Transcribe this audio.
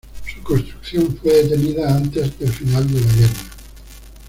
Su construcción fue detenida antes del final de la guerra.